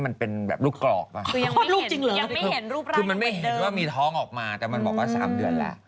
ไม่เห็นว่ามีท้องออกมาแต่มันบอกว่า๓เดือนแล้ว